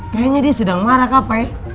kayaknya dia sedang marah capek